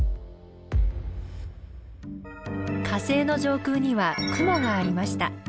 火星の上空には雲がありました。